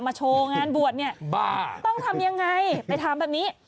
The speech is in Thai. โชว์งานบวชเนี่ยบ้าต้องทำยังไงไปถามแบบนี้